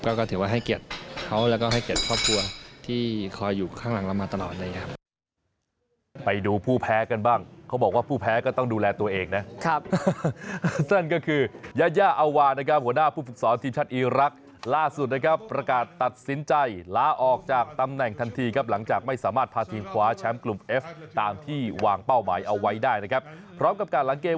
ก็ถือว่าให้เกียรติเขาแล้วก็ให้เกียรติครอบครัวที่คอยอยู่ข้างหลังเรามาตลอดเลยครับ